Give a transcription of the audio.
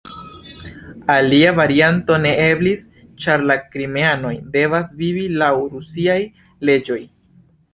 Alia varianto ne eblis, ĉar la krimeanoj devas vivi laŭ rusiaj leĝoj.